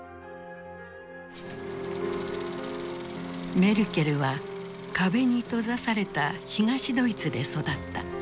メルケルは壁に閉ざされた東ドイツで育った。